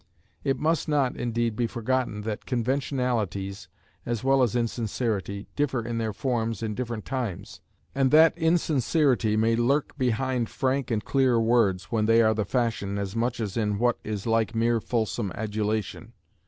It must not, indeed, be forgotten that conventionalities, as well as insincerity, differ in their forms in different times; and that insincerity may lurk behind frank and clear words, when they are the fashion, as much as in what is like mere fulsome adulation.